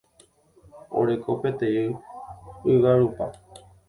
Oreko peteĩ ygarupa.